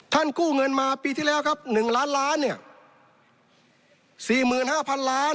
กู้เงินมาปีที่แล้วครับ๑ล้านล้านเนี่ย๔๕๐๐๐ล้าน